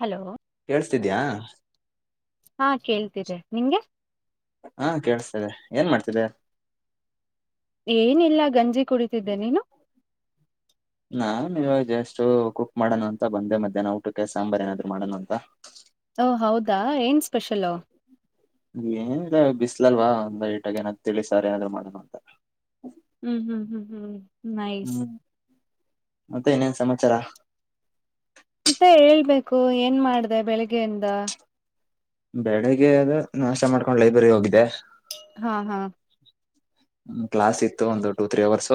Hello ಕೇಳ್ಸ್ತಿದ್ಯಾ ಹಾ ಕೇಳ್ತಿದ್ದೆ ನಿಂಗೆ. ಹಾ ಕೇಳಸ್ತೇದೆ ಏನ್ ಮಾಡ್ತಿದೆ. ಏನಿಲ್ಲ ಗಂಜಿ ಕುಡಿತಿದ್ದೆ ನೀನು. [inaudible] ನಾನು ಇವಾಗ ಜಸ್ಟ್ ಕುಕ್ ಮಾಡೋಣ ಅಂತ ಬಂದೆ ಮಧ್ಯಾಹ್ನ ಊಟಕ್ಕೆ ಸಾಂಬಾರ್ು ಏನಾದ್ರು ಮಾಡೋಣ ಅಂತ. ಓ ಹೌದಾ ಏನ್ ಸ್ಪೆಷಲ್ ಏನ್ ಬಿಸ್ಲಲ್ವಾ ಒಂದ ಲೈಟಾಗಿ ಏನ್ ತಿಳಿ ಸಾರ ನಾದ್ರು ಮಾಡೋಣ ಅಂತ ಹ್ಮ್ ಹ್ಮ್ ಹ್ಮ್ ಹ್ಮ್್ಮ್ ಹ್ಮ್ ಮತ್ತೆ ಇನ್ನಾ ಎನ್ ಸಮಾಚಾರ ಮತ್ತೆ ಹೇಳ್ಬೇಕು ಏನ್ ಮಾಡ್ದೆ ಬೆಳಿಗ್ಗೆಯಿಂದ ಬೆಳಗ್ಗೆ ಅದ ನಷ್ಟ ಮಾಡ್ಕೊಂಡು ಲೈಬ್ರರಿ ಹೋಗಿದೆ ಹಾ ಹಾ ಹ್ಮ ಕ್ಲಾಸ್ ಇತ್ತು ಒಂದು ಟೂ ತ್ರೀ ಅವರ್ಸ್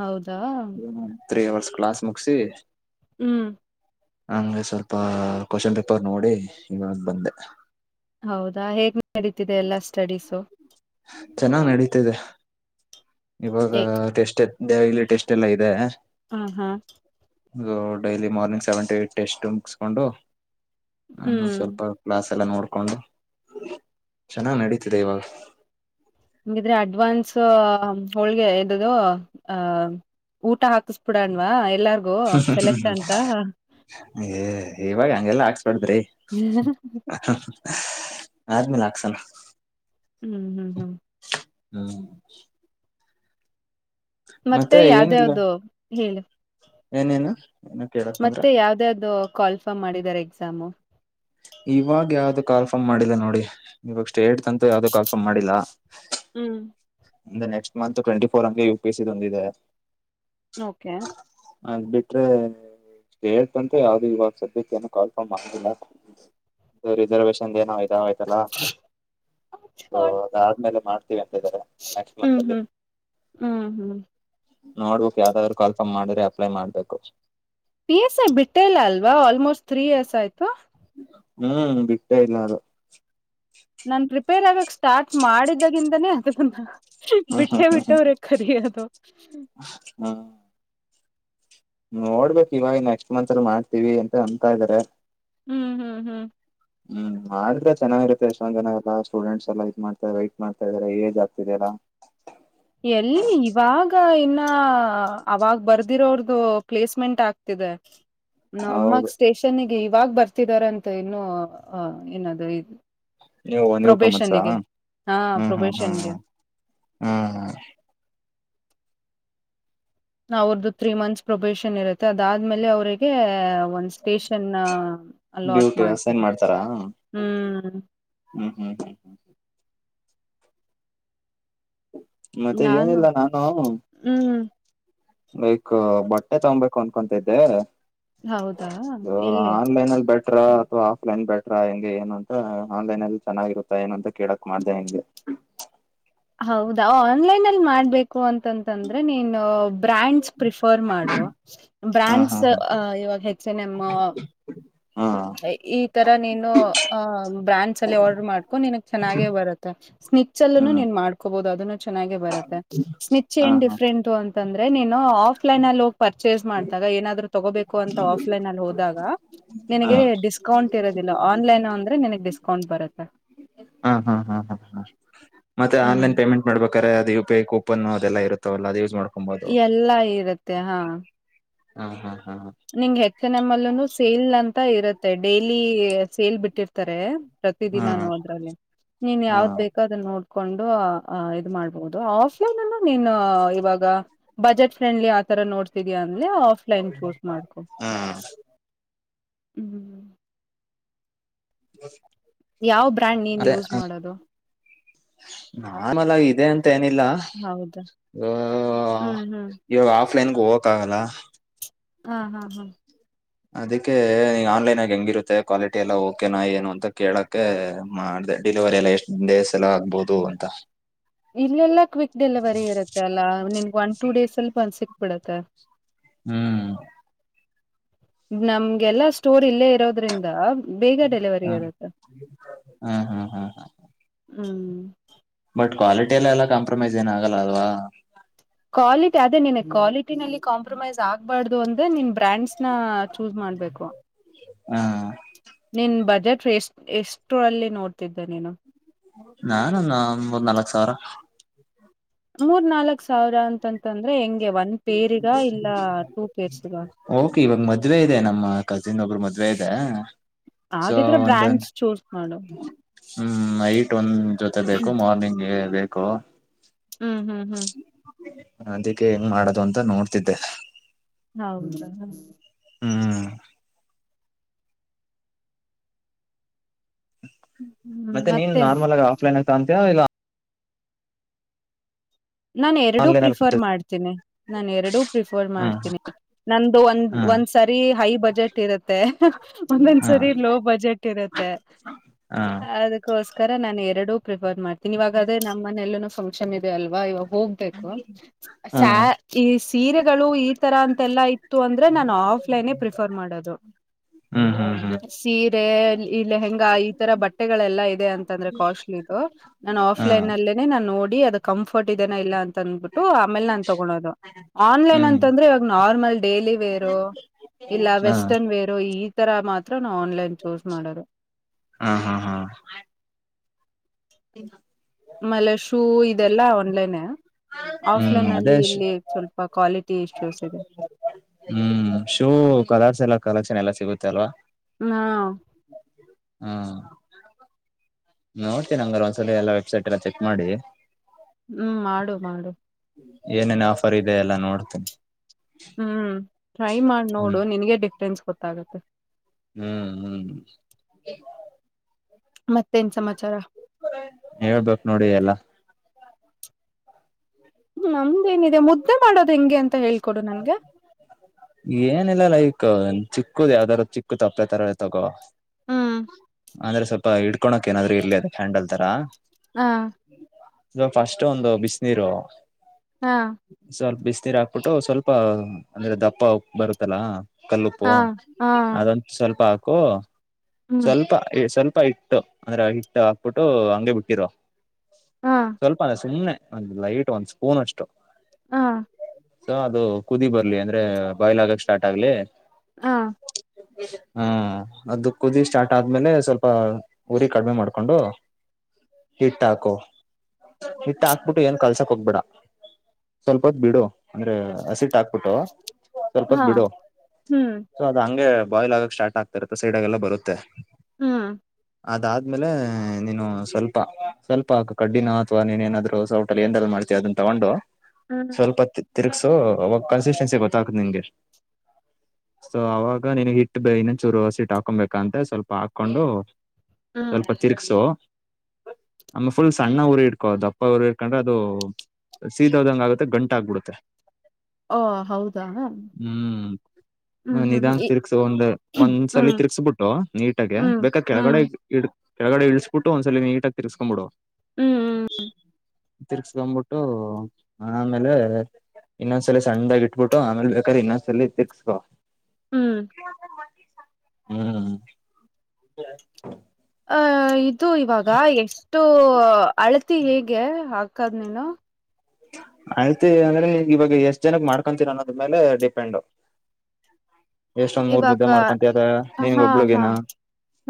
ಹೌದಾ [inaudible] ತ್ರೀ ಅವರ್ಸ್ ಕ್ಲಾಸ್ ಮುಗಿಸಿಿ ಹ್ಮ್ ಹಾಂಗೆ ಸ್ವಲ್ಪ ಕ್ವಶನ್ ಪೇಪರ್ ನೋಡಿ ಇವಾಗ ಬಂದೆ ಹೌದಾ ಹೇಗ್ ನಡೀತಿದೆ ಎಲ್ಲಾ ಸ್ಟಡೀಸು ಚೆನ್ನಾಗ್ ನಡೀತಿದೆ ಇವಾಗ ಏ ಟೆಸ್ಟ್ [inaudible] ಡೈಲಿ ಟೆಸ್ಟ್ ಎಲ್ಲಾ ಇದೆ ಹಾ ಹಾ daily morning seven to eight test ಮುಗಸ್ಕೊಂಡು ನಾನು [inaudible] ಹ್ಮ್ ಸ್ವಲ್ಪ ಕ್ಲಾಸ್ ಎಲ್ಲ ನೋಡ್ಕೊಂಡು ಚೆನ್ನಾಗ ನಡೀತಿದೆ ಇವಾಗ ಹಗಿದ್ರೆ ಅಡ್ವಾನ್ಸ್ ಹೋಳ್ಗೆ ಎದು [inaudible] ಆ ಊಟ ಹಾಕಸ್ಬಿಡನ್ವಾ ಎಲ್ಲಾರ್ಗೂ ಸೆಲೆಕ್ಟ್ ಅಂತ ಏ ಇವಾಗ ಹಂಗೆಲ್ಲ ಹಾಕ್ಸ್ಬಡದ್ರಿ ಹ್ಮ್ ಆದ್ಮೇಲೆ ಹಕ್ಸನ [unintelligible] ಹ್ಮ್ ಹ್ಮ್ ಹ್ಮ್ ಹ್ಮ್. ಮತ್ತೆ ಯಾವ್ದ ಯಾವ್ದು ಹೇಳು ಏನೇನು. ಏನ ಕೇಳಕ್ ಬಂದ್ರ ಮತ್ತೆ ಯಾವ್ದ್ದು ಕಾಲ್ಫಾರ್ಮ್ ಮಾಡಿದಿದ್ದಾರೆ ಎಕ್ಸಾಮ್ ಇವಾಗ ಯಾವ್ದು ಕಾಲ್ಫಾರ್ಮ್ ಮಾಡಿಲ್ಲ ನೋಡಿ ಇವಾಗ ಸ್ಟೇಟ್ [unintelligible] ಅಂತೂ ಯಾವ್ದು ಕಾಲ್ಫಾರ್ಮ್ ಮಾಡಿಲ್ಲಾ ಹ್ಮ್ ನೆಕ್ಸ್ಟ್ ಮಂತ್ ಟ್ವ್ಂಟಿ ಫೋರ್ ಅಂಗೆ ಯು ಪಿ ಸಿ ಒಂದಿದೆ ಓಕೆ. ಅದ್ ಬಿಟ್ರೆ. ಹೇಳ್ತಂತೆ ಯಾವ್ದು ಇವಾಗ ಸದ್ಯಕ್ಕೆ ಏನು ಕಾಲ್ ರ್ಪಮ್ ಮಾಡಿಲ್ಲ. ಇದು ರಿಸರ್ವೇಶನ್ ಏನೋ ಇದಾಯ್ತಲ್ಲ ಸೊ ಅದಾದ್ಮೇಲೆ ಮಾಡ್ತೀವಿ ಅಂತ ಇದ್ದಾರೆ. ನೆಕ್ಸ್ಟ್ ಮಂತ್ ಹ್ಮ್ ಅಲ್ಲಿ. ಹ್ಮ್ ಹ್ಮ್ ಹ್ಮ್ ನೋಡ್ಬೇಕು ಯಾವ್ದಾದ್ರು ಕಾಲ್ಪಾಮ್ ಮಾಡಿದ್ರೆ ಅಪ್ಲೈ ಮಾಡ್ಬೇಕು. ಪಿ ಎಸ್ ಐ ಬಿಟ್ಟೇ ಇಲ್ಲ ಅಲ್ವಾ ಆಲ್ಮೋಸ್ಟ್ ತ್ರಿ ಇಯರ್ಸ್ ಆಯ್ತು. ಹ್ಮ್ ಬಿಡ್ತಾ ಇಲ್ಲ ಅದು. ನನ್ ರಿಪೇರ್ ಆಗಕ್ ಸ್ಟಾರ್ಟ್ ಮಾಡಿದಾಗಿಂತಾನೇ ಅದನ್ನ ಹ್ಮ್ ಹ್ಮ್ ಬಿಟ್ಟೆ ಹ್ಮ್ ಹ್ಮ್ ಬಿಟ್ಟವರ. ಕರಿಯದು. ಹ್ಮ್ ಹ್ಮ್ ನೋಡ್ಬೇಕು ಇವಾಗ ನೆಕ್ಸ್ಟ್ ಮಂತ್ ಅಲ್ಲಿ ಮಾಡ್ತೀವಿ ಅಂತ ಅನ್ಂತಾ ಇದಾರೆ. ಹ್ಮ್ ಹ್ಮ್ ಹ್ಮ್ [unintelligible] ಹ್ಮ್ ಮಾಡ್ರೆ ಚನ್ನಾಗಿರುತ್ತೆ ಎಷ್ಟೊಂದ್ ಜನ ಎಲ್ಲಾ ಸ್ಟೂಡೆಂಟ್ಸ್ ಎಲ್ಲ ಇದ್ ಮಾಡ್ತಾರೆ ವೈಟ್ ಮಾಡ್ತಾ ಇದಾರೆ ಏಜ್ ಆಗ್ತಿದೆದೆಲ್ಲ. ಎಲ್ಲಿ ಇವಾಗ ಇನ್ನ ಅವಾಗ ಬರ್ದಿರೋದು ಪ್ಲೇಸ್ಮೆಂಟ್ ಆಗ್ತಿದೆ. [inaudible] ಹೌದು ನಾಮ್ಮಾಗ ಸ್ಟೇಷನ್ ಗೆ ಇವಾಗ ಬರ್ತಿದಾರ ಅಂತ ಇನ್ನು ಅ ಏನದು ಇದು. [inaudible] ನೀವು ಕರ್ಮಸ್ ಹಾ ಹ್ಮ್ ಹ್ಮ್ ಹ್ಮ್ ಪ್ರೊಬೇಷನ್ಗೆ ಹ್ಮ್ ಹ. ಅವ್ರದ್ದು ತ್ರೀ ಮಂತ್ಸ್ ಪ್ರೊಫೆಷನ್ ಇರುತ್ತೆ ಅದಾದ್ಮೇಲೆ ಅವ್ರರಿಗೆ ಒನ್ಸ್. ಪಯ್ಷಾನಾ ನ ಅರ್ಲಟ್ ಡ್ಯೂಟಿ ಅಸೈನ್ ಮಾಡ್ತಾರೆ ಮಾಡ್ತಾರಾ ಹ್ಮ. ಹ್ಮ್ ಹ್ಮ್ ಹ್ಮ್ ಹ್ಮ್ ಮತ್ತೆ ನಾನು ಏನಿಲ್ಲ ಹ್ಮ್. ಲೈಕ್ ಬಟ್ಟೆ ತಗೊಬೇಕು ಅನ್ಕೊತ್ತೈದೆ. ಹೌದಾ ಹ ಎಲ್ಲಿ ಆನ್ಲೈನ್ ಬಟ್. ಟ್ರ ಅಥವಾ ಆಫ್ ಲೈನ್ ಬೆಟ್ರ ಹೆಂಗೆ ಏನ್ ಅಂತ ಆನ್ಲೈನ್ ಅಲ್ಲಿ ಚೆನ್ನಾಗಿರುತ್ತ ಏನಂತ ಕೇಳಕ್ ಮಾಡ್ದೆ ನಿಮ್ಗೆ. ಹೌದಾ ಆನ್ಲೈನ್ ಅಲ್ಲಿ ಮಾಡ್ಬೇಕು ಅಂತಂತಂದ್ರೆ ನೀನು. ಬ್ರ್ಯಾಂಡ್ಸ್ ಪ್ರಿಫರ್ ಮಾಡು ಹಾ ಹಾ ಬ್ರ್ಯಾಂಡ್ಸ್ ಇವಾಗ ಹೆಚ್ ಎನ್ ಎಂ. ಹಾ ಈ ತರ ನೀನು ಅ ಬ್ರ್ಯಾಂಡ್ಸ್ ಅಲ್ಲಿ ಆರ್ಡರ್ ಮಾಡ್ಕೊಂಡ ನಿನಗ್ ಚೆನ್ನಾಗೆ ಬರುತ್ತೆ. ಸ್ನಿಪ್ಚ್ ಅಲ್ಲಿನು ಹ್ಮ್ ನೀನ್ ಮಾಡ್ಕೋಬಹುದು ಅದನ್ನು ಚೆನ್ನಾಗೇ ಬರುತ್ತೆ. ಸ್ನಿಪ್ಚ್ ಹಾ ಏನ್ ಹಾ ಡಿಪ್ರೆಂಟು ಅಂತಂದ್ರೆ ನೀನು ಆಫ್. ಆಪ್ಲೈನ್ ಹೋಗಿ ಪರ್ಚೇಸ್ ಮಾಡ್ದಾಗ ಏನಾದ್ರು ತಗೋಬೇಕು ಅಂತ ಆಫ್ಲೈನ್ ಅಲ್ಲಿ ಹೋದಾಗ. ಹಾ ನಿನಗೆ ಡಿಸ್ಕೌಂಟ್ ಇರೋದಿಲ್ಲ ಆನ್ಲೈನ್ ಅಂದ್ರೆ ನಿನಗ್ ಡಿಸ್ಕೌಂಟ್ ಬರುತ್ತೆ. ಹಾ ಹಾ ಹಾ ಹಾ ಹಾ ಮತ್ತೆ ಹ್ಮ್ ಆನ್ಲೈನ್ ಪೇಮೆಂಟ್. ಮಾಡ್ಬೇಕಾದ್ರೆ ಅದು ಯು ಟಿ ಐ ಕೂಪನ್ ಅದೆಲ್ಲ ಇರುತ್ತಾವಲ್ಲ ಅದು ಯೂಸ್ ಮಾಡ್. ಎಲ್ಲಾ ಇರುತ್ತೆ ಹಾ. ಹ ಹಾ ಹಾ ಹಾ. ನಿಂಗ್ ಹೆಚ್ ಎನ್ ಎಮ್ ಅಲ್ಲನು ಸೇಲ್ ಅಂತ ಇರುತ್ತೆ ಡೈಲಿ ಸೇಲ್ ಬಿಟ್ಟಿರ್ತಾರೆ. ಹಾ ಪ್ರತಿದಿನನೂದ್ರಲ್ಲಿ ನೀನ್ ಹಾ ಯಾವ್ದ್ ಬೇಕ್. ಅದನ್ನ ನೋಡ್ಕೊಂಡು ಅಹ ಇದು ಮಾಡ್ಬಹುದು ಆಫ್ಲೈನ್ ಮಿನ್ ಇವಾಗ. ಬಜೆಟ್ ಫ್ರೆಂಡಲಿ ಆ ತರ ನೋಡ್. ಮಾಡ್ತಿದೀಯ ಅಂದ್ರೆ ಆಫ್ಲೈನ್ ಚೂಸ್ ಮಾಡ್ಕೊ ಹಾ ಹ್ಮ. [unintelligible] ಯಾವ್ ಬ್ರ್ಯಾಂಡ್ ನೀನ್ ಯೂಸ್ ಮಾಡೋದು. ನನ್ ಅಲ್ಲ ಇದೆ ಅಂತ ಏನಿಲ್ಲ. ಹೌದಾ ಅ ಹ್ಮ್ ಹ್ಮ್ ಇವಾಗ ಆಫ್ಲೈನ್ ಗೆ ಹೋಗಕ್ ಆಗಲ್ಲ. ಹಾ ಹಾ ಹಾ. ಅದಕ್ಕೆ ಈ ಆನ್ಲೈನ್ ಆಗಿ ಹೆಂಗಿರುತ್ತೆ ಕ್ವಾಲಿಟಿ ಎಲ್ಲ ಓಕೆನಾ ಏನು ಅಂತ ಕೇಳಕ್ಕೆ. ಮಾಡ್ದ ಡಿಲಿವರಿ ಎಲ್ಲ ಎಷ್ಟ್ ಡೇಸ್ಸಲ ಆಗ್ಬೋುದು ಅಂತ. ಇಲ್ಲೆಲ್ಲ ಕ್ವಿಕ್ ಡೆಲಿವರಿ ಇರುತ್ತೆ ಅಲ್ಲಾ ನಿನ್ಗ್ ಒನ್ ಟೂ ಡೇಸ್ ಅಲ್ಲಿ ಬಂದ ಸಿಕ್ಬಿಡತ್ತೆ. ಹ್ಮ್ ನಮ್ಗೆಲ್ಲಾ ಸ್ಟೋರ್ ಇಲ್ಲೇ ಇರೋದ್ರಿಂದ. ಬೇಗ ಡೆಲಿವರಿ ಹ ಇರುತ್ತೇ ಹಾ ಹಾ ಹಾ [unintelligible] ಹ್ಞ. ಬಟ್ ಕ್ವಾಲಿಟಿ ಎಲ್ಲ ಕಾಂಪ್ರಮೈಸ್ ಏನ ಆಗಲ್ಲ ಅಲ್ವಾ. ಕ್ವಾಲಿಟಿ ಅದೇ ನಿಿನ ಕ್ವಾಲಿಟಿನಲ್ಲಿ ಕಾಂಪ್ರಮೈಸ್ ಆಗ್ಬಾರ್ದು ಅಂದೆನ್ ಬ್ರ್ಯಾಂಡ್ಸ್ನ. ಚೂಸ್ ಮಾಡ್ಬೇಕು. [inaudible] ಹ ನಿನ್ ಬಜೆಟ್ ಎಷ್ಟ ಎಷ್ಟರಲ್ಲಿ ನೋಡ್ತಿದ್ದೆ ನೀನು. ನಾನ್ಂದು ಮೂರ್ ನಾಲ್ಕ್ ಸಾವಿರ. ಮೂರ್ ನಾಲ್ಕ್ ಸಾವಿರ ಅಂತಂತಂದ್ರೆ ಹೆಂಗೆ ಒನ್ ಪೇರಿಗ ಇಲ್ಲ ಟೂ ಪೇರ್ಸ್ಗ್. ಓಕೆ ಇವಾಗ ಮದ್ವೆ ಇದೆ ನಮ್ಮ ಕಸಿನ್ ಒಬ್ಬರು ಮದ್ವೆ ಇದೆ. ಸೊ ಹಾಗಿದ್ರೆ ಒಂದ ಬ್ರ್ಯಾಂಡ್ಸ್ ಚೂಸ್. ಮಾಡು ಹ್ಮ್ ನೈಟ್ ಒಂದ್ ಜೊತೆ ಬೇಕು ಮಾರ್ನಿಂಗ್ ಗೆ ಬೇಕು. ಹ್ಮ್ ಹ್ಮ್ ಹ್ಮ್. ಅದಿಕ್ಕೆ ಹೆಂಗ್ ಮಾಡೋದು ಅಂತ ನೋಡ್ತಿದ್ದೆ. ಹೌದಾ. ಹ್ಮ ಮತ್ತೆ ನೀನ್ ನಾರ್ಮಲ್ ಆಗ ಆಫ್ಲೈನ್ ಆಗ ತಂತೀಯ ಇಲ್ಲ. ನಾನು ಎರಡುೂ ಆನ್ಲೈನ್ ಪ್ರಿಫರ್ ಅಲ್ಲಿ ಮಾಡ್ತೀನಿ ನಾನು ಎರಡೂ ಪ್ರಿಫರ್ ಹಾ ಮಾಡ್ತೀನಿ. ನಮ್ದ ಒಂದ್ ಹಾ ಒಂದ್ಸರಿ ಹೈ ಬಜೆಟ್ ಇರುತ್ತೆ. ಹಾ ಒಂದೊಂದ್ಸರಿ ಲೋ ಬಜೆಟ್ ಇರುತ್ತೆ ಹಾ ಅ. ಅಕ್ಕೋಸ್ಕರ ನಾನನ್ ಎರಡುೂ ಪ್ರಿಫರ್ ಮಾಡ್ತೀನಿ ಇವಾಗ ಅದೇ ನಮ್ಮ ಮನೆಲ್ಲುನು ಫಂಕ್ಷನ್ ಇದೆ ಅಲ್ವಾವ ಹೋಗಿ. ಬ. [unintelligible] ಹಾ ಸ ಈ ಸೀರೆಗಳು ಈ ತರ ಅಂತೆಲ್ಲಾ ಇತ್ತು ಅಂದ್ರೆ ನಾನು ಆಫ್ಲೈನ್ೇ ಪ್ರಿಫರ್ ಮಾಡೋದು. ಹ್ಮ್ ಹ್ಮ್ ಹ್ಮ್. ಸೀರೆ ಈ ಲೆಹಂಗಾ ಈ ತರ ಬಟ್ಟೆಗಳೆಲ್ಲಾ ಇದೆ ಅಂತಂದ್ರೆ ಕಾಸ್ಟ್ಲಿಿದು. ನಾನನ್ ಹ್ಮ್ ಹಾ ಆಫ್ಲೈನ್ ಅಲ್ಲೇನೆ ನಾನ್ ನೋಡಿ ಅದ ಕಂಫರ್ಟ್ ಇದೇನ ಇಲ್ಲ ಅಂತ ಅಂದಬಿಟ್ಟು ಆಮೇಲೆ ನಾನ್ ತಗೊಳೋದು. ಆನ್ಲೈನ್ ಹ್ಮ್ ಅಂತಂದ್ರೆ ಇವಾಗ ನಾರ್ಮಲ್ ಡೈಲಿ ವೇರು. ಇಲ್ಲ ಹಾ ವೆಸ್ಟರ್ನ್ ವೇರ್ ಈ ತರ ಮಾತ್ರ ನಾವು ಆನ್ಲೈನ್ ಚೂಸ್ ಮಾಡೋರು. ಹಾ ಹಾ ಹಾ. ಹ [unintelligible] ಆಮೇಲೆ ಶೂ ಇದೆಲ್ಲಾ ಆನ್ಲೈನ್ ಹ್ಮ್ ಆಫ್ಲೈನ್ ಅದೇ ಅಲ್ಲಿ ಇಲ್ಲಿ ಸ್ವಲ್ಪ. ಕ್ವಾಲಿಟಿ ಇಶ್ಯೂಸ್ ಇದೆ. ಹ್ಮ್ ಶೂ ಕಲರ್ಸ್ ಎಲ್ಲಾ ಕಲೆಕ್ಷನ್ ಎಲ್ಲಾ ಸಿಗುತ್ತೆ ಅಲ್ವಾ. ಹ್ಮ ಹಾ ನೋಡ್ತೀನಿ ಹಂಗ್ರ ಒಂದ್ಸಲ ಎಲ್ಲ ವೆಬ್ಸೈಟ್ ಎಲ್ಲ ಚೆಕ್ ಮಾಡಿ. ಹ್ಮ್ ಮಾಡು ಮಾಡು. ಏನೇನ ಆಫರ್ ಇದೆ ಎಲ್ಲ ನೋಡ್ತೇನಿ. ಹ್ಮ್ ಟ್ರೈ ಮಾಡಿ ನೋಡು ಹ್ಮ್ ನಿನಗೆ ಡಿಫ್ರೆನ್ಸ್ ಗೊತ್ತಾಗತ್ತೆ. ಹ್ಮ್ ಹ್ಮ್ ಮತ್ತೇನ್ ಸಮಾಚಾರ. ಹೇಳ್ಬೇಕು ನೋಡಿ ಎಲ್ಲ. ನಮ್ದ ಏನಿದೆ ಮುದ್ದೆ ಮಾಡೋದ್ ಹೆಂಗೆ ಅಂತ. ಹೇಳ್ಕೊಡು ನನ್ಗೆ [inaudible] ಏನಿಲ್ಲ ಲೈಕ್ ಚಿಕ್ಕ್ ಯಾವ್ದಾರ ಚಿಕ್ಕ ತಪ್ಲೆ ತರ ತಗೋ. ಹ್ಮ್ ಅಂದ್ರೆ ಸ್ವಲ್ಪ ಹಡ್ಕೊಳಕ್ ಏನಾದ್ರರು ಇರ್ಲಿ ಅದ ಹ್ಯಾಂಡಲ್ ತರ. ಹಾ. ಇದು ಫಸ್ಟ್ ಒಂದು ಬಿಸ ನೀೀರು. ಹಾ ಸ್ವಲ್ಪ ಬಿಸನೀರ್ ಹಾಕ್ಬಿಟ್ಟು ಸ್ವಲ್ಪ ಅಂದ್ರೆ ದಪ್ಪ ಬರುತ್ತಲ್ಲಾ. ಕಲ್ಲುಪ್ಪು ಹಾ ಹಾ ಅದಂತ ಸ್ವಲ್ಪ ಹಾಕು. ಹ್ಮ್ ಸ್ವಲ್ಪ ಸ್ವಲ್ಪ ಹಿಟ್ಟು ಅಂದ್ರೆ ರಾಗಿ ಹಿಟ್ಟು ಹಾಕ್ಬಿಟ್ಟು ಹಂಗಗೆ ಬಿಟ್ಟಿರು. ಹಾ ಸ್ವಲ್ಪ ಅಲ್ಲ ಸುಮ್ಮನೆ ಒಂದ್ ಲೈಟ್ ಒಂದ್ ಸ್ಪೂನ್ ಅಷ್ಟು. ಹಾ ಸೊ ಅದು ಕುದಿ ಬರ್ಲಿ ಅಂದ್ರೆ ಬಾಯ್ಲ್ ಆಗಕ್ ಸ್ಟಾರ್ಟ್ ಆಗ್ಲಿ. ಹಾ ಹ್ಮ ಅದು ಕುದಿ ಸ್ಟಾರ್ಟ್ ಆದ್ಮೇಲೆ ಸ್ವಲ್ಪ. ಊರಿ ಕಡಿ್ಮೆ ಮಾಡ್ಕೊಂಡು. ಹಿಟ್ಟ ಹಾಕು ಹಿಟ್ಟ ಹಾಕ್ಬಿಟ್ಟು ಏನ್ ಕಲ್ಸಕ್ ಹೋಗ್ಬಿಡ. ಸೋಲುತ್ತು ಬಿಡು ಅಂದ್ರೆ ಹಸಿಟ್ ಹಾಕ್ಬಿಟ್ಟು ಸ್ವಲ್ಪತ್ ಹಾ ಬಿಡು. ಹ್ಮ್ ಸೊ ಅದು ಹಂಗೆ ಬಾಯ್ಲ್ ಆಗಕ್ ಸ್ಟಾರ್ಟ್ ಆಗ್ತ ಇರುತ್ತ ಸೈಡಾಗಲ್ಲ ಬರುತ್ತೆ. ಹ್ಮ್ ಅದಾದ್ಮೇಲೆ ನೀನು ಸ್ವಲ್ಪ ಸ್ವಲ್ಪ ಕಡ್ಡಿನ ಅಥವಾ ನೀನೇಏನಾದ್ರು ಸೌಟಲ್ಲಿ ಎಂಡಲ್ ಮಾಡ್ತೀ ಅದ. ತಗೊಂಡು ಹ್ಮ್ ಸ್ವಲ್ಪ ತಿರ್ಗ್ಸು ಅವಾಗ ಕನ್ಸಿಸ್ಟೆನ್ಸಿ ಗೊತ್ತಾಗ್ತ್ ನಿಂಗೆ. [inaudible] ಸೊ ಅವಾಗ ನೀನ್ ಹಿಟ್ಟು ಇನ್ನಂಚೂರುಿಟ್ು ಹಾಕೊಬೇಕಂತ ಸ್ವಲ್ಪ ಹಾಕೊಂಡು ಹ್ಮ್ ಸ್ವಲ್ಪ. ತಿರ್ಗ್ಸು ಆಮೇ ಫುಲ್ ಸಣ್ಣ ಊರಿ ಇಟ್ಕೋ ದಪ್ಪ ಉರಿ ಇಟ್ಕೊಂಡ್ರೆ ಅದು. ಸೀದೋದಂಗ ಆಗುತ್ತ ಗಂಟ ಆಗ್ಬಿಡುತ್ತೆ. ಹ ಹ್ಮ್ ಹ ಹ್ಮ್ ಹ್ಮ್ ನಿಧಾಂಗ ತಿರುಗು ಒಂದ್ ಒಂದ್ ಸಲ ಹ್ಮ್ ತಿರ್ಸಬಿಟ್ಟು ನೀಟಾಗೆ ಹ್ಮ್ ಬೇಕಾ ಕೆಳಗಡೆ ಹ್ಮ್ ಇ. ಕೆಳಗಡೆಳಿಸಸ್ಬಟ್ಟು ಒಂದ್ಸ ನೀ ಆಗಿರ್್ಕೊಂಬಿಡು. ಹ್ಮ್ ತಿರ್ಸ್ಕೊ್ಬಿಟ್ಟು ಆಮೇಲೆ. ಇನ್ನೊಂದ್ ಸಲಿ ಸಣ್ಣಾಗಿ ಇಟ್ಬಟ್ಟುಮೇಲೆ ಬೇಕಾದ್ರೆ ಇನ್ನೊಂದ್ಲಲಿ ತಿಕ್ಸ್. ಹ್ಮ್ ಹ್ಮ್ ಅಹ ಇದು ಇವಾಗ ಎಷ್ಟು ಅಳತಿ ಹೇಗೆ ಹಾಕಾದ್ ನೀೇನು. ಅಳ್ತಿ ಅಂದ್ರೆ ಇವಾಗ ಎಷ್ಟ್ ಜನಕ್ ಮಾಡ್ಕೊಂತೀರ ಅನ್ನೋದ್ಮೇಲೆ ಡಿಪೆಂಡ್. ಹ [inaudible] ಎಷ್ಟೊಂದ್ ಮೂರ್ ಇವಾಗ ಮುದ್ದೆ ಮಾಡ್ಕೊಂತತ ನೀನ್ಗ ಹಾ ಹಾ ಒಬ್ಳಗೇನ.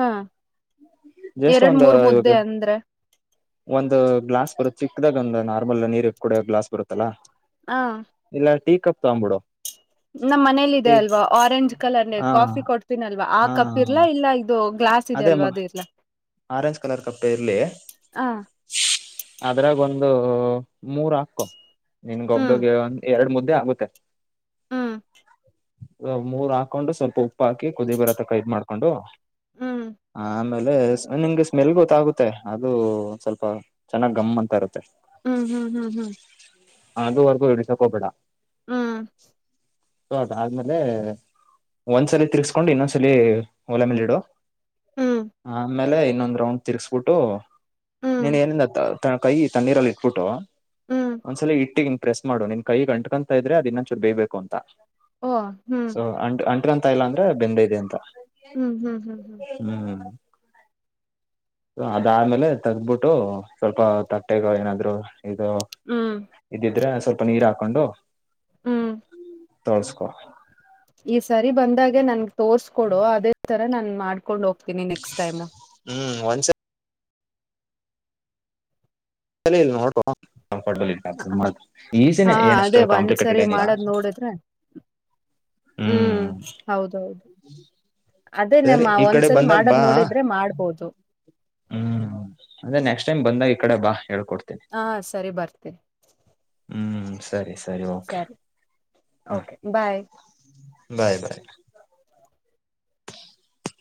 ಹಾ ಜ್ಯಷ್ಟ ಎರಡ್ ಒಂದ ಮೂರ್ ಇವಾಗ. ಮುದ್ದೆ ಅಂದ್ರೆ ಒಂದು ಗ್ಲಾಸ್ ಬರುತ್ತೆ ಚಿಕ್ಕದಾಗ ಒಂದು ನಾರ್ಮಲ್ ನೀರ್ ಕೂಡ ಗ್ಲಾಸ್ ಬರುತ್ತಲ್ಲಾ. ಹ ಇಲ್ಲ ಟೀ ಕಪ್ ತಗೊ್ಬಿಡು. ನಮ್ಮ್ ಮನೇಲಿ ಇದೆ ಅಲ್ವಾ ಆರೆಂಜ್ ಕಲರ್ ನ ಹಾ ಕಾಫಿ ಕೊಡ್ತೀನಲ್ವಾ ಆ ಹಾ ಕಪ್ ಇರ್ಲಾ ಇಲ್ಲ ಇದು ಗ್ಲಾಸ್. ಇದೆ ಅದೇ ಮ ಅಲ್ವಾ ಅದು ಇರ್ಲಾ ಆರೆಂಜ್ ಕಲರ್ ಕಪ್ಪೆ ಇರ್ಲಿ. ಹ ಅದ್ರಾಗ ಒಂದು ಮೂರ್ ಹಾಕು. ನಿನ್ಗೊ ಹ್ಮ್ ಒಬ್ಳಗೆ ಒ ಎರಡ್ ಮುದ್ದೆ ಆಗುತ್ತೆ. ಹ್ಮ್ ಮೂರ್ ಹಾಕೊಂಡು ಸ್ವಲ್ಪ ಉಪ್ಪು ಹಾಕಿ ಕುದಿ ಬರೋ ತಕ ಇದ ಮಾಡ್ಕೊಂಡು. ಹ್ಮ್ ಆಮೇಲೆ ನಿಮ್ಗೆ ಸ್ಮೆಲ್ ಗೊತ್ತಾಗುತ್ತೆ ಅದು ಸ್ವಲ್ಪ ಚೆನ್ನಾಗ್ ಗಮ್ ಅಂತ ಇರುತ್ತೆ. ಹ್ಮ್ ಹ್ಮ್ ಹ್ಮ್ ಹ್ಮ್ ಅುವರೆಗೂ ಹಡಸಕ ಹ್ಬೇಡ. ಹ್ಮ್ ಸೊ ಅದಾದ್ಮೇಲೆ ಒಂದ್ಸಲ ತಿರ್ಸ್ಕೊಂಡು ಇನ್ನೊಂದ್ಸಲ ಒಲೆ ಮೇಲೆ ಇಡು. ಹ್ಮ್ ಹ್ಮ್ ಆಮೇಲೆ ಇನ್ನೊಂದ್ ರೌಂಡ್ ತಿರ್ಸ್ಬಿಟ್ಟು ಹ್ಮ್ ನೀನ್ ಏನ್ ಎಲ್ಲಾ. ಕೈಿ ತಣ್ಣೀರಲ್ಲಿ ಇಟ್ಬಿಟ್ಟು ಹ್ಮ್ ಒಂದ್ಸಲಿ ಇಟ್ಟಿಿ. ಪ್ರೆಸ್ ಮಾಡು ನಿನ್ ಕೈ ಅಂತ್ಕಂಥ ಇದ್ರೆ ಅ ಇನ್ನೊಚೂರು ಬೇಬೇಕು ಅಂತಂ ಓ ಹ್ಮ್ ಸೋ. ತಾ ಇಲ್ಲ ಅಂದ್ರೆ ಬೆಂದ ಇದೆ ಅಂತ. ಹ್ಮ್ ಹ್ಮ್ ಹ್ಮ್ ಹ್ಮ್ ಹ್ಮ್್ಮ ಅದ್ಮೇಲೆ ತಗಬಿಟ್ಟು ಸ್ವಲ್ಪ ತಟ್ಟೆಗೊ ಏನಾದ್ರು. ಇದು ಹ್ಮ್ ಇದಿದ್ರೆ ಸ್ವಲ್ಪ ನೀರ್ ಹಾಕೊಂಡು. ಹ್ಮ್ ತೋಳ್ಸ್ಕೊ. ಈ ಸರಿ ಬಂದಾಗೆ ನನ್ಗೆ ತೋರ್ಸ್ಕೊಡು ಅದೇ ತರ ನಾನನ್ ಮಾಡ್ಕೊಂಡು ಹೋಗ್ತೀನಿ ನೆಕ್ಸ್ಟ್ ಟೈಮ್. ಹ್ಮ್ ಒ. [unintelligible] ಚಲ ಇಲ್ಲ ನೋ ಕಂಫರ್ಟಬಲ್. [unintelligible] ಹ ಈಸಿನೇ ಹಾ ಏನಷ್ಟು ಅದೇ ಕಾಂಪ್ಲಿಕೇಟೆಡ್ ಒಂದ್ಸರಿ ಏನಿಲ್ಲ ಮಾಡದ್ ನೋಡಿದ್ರೆ. ಹ್ಮ್- ಹೌದೌದು ಅದೇ ಸರಿ ನಮ್ಮ ಈ ಕಡೆ ಒಂದ್ಸರಿ ಬಂದಾಗ ಬಾ ಮಾಡದ್ ನೋಡಿದ್ರೆ ಮಾಡ್ಬೋದು. ಹ್ಮ್ ಅದೆ ನೆಕ್ಸ್ಟ್ ಟೈಮ್ ಬಂದಾಗ ಈ ಕಡೆ ಬಾ ಹೇಳ್ಕೊಡ್ತೀನಿ. ಹಾ ಸರಿ ಬರ್ತೇ. ಹ್ಮ್ ಸರಿ ಸರಿ ಓಕೆ ಹ. ಓಕೆ ಬಾಯ್ ಬಾಯ್ ಬಾಯ್.